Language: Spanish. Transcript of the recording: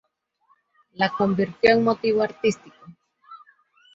La convirtió en motivo artístico.